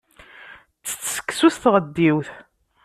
Ttett seksu s tɣeddiwt.